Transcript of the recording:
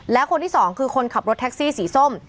และคนที่สองคือคนขับรถแท็กซี่สีส้ม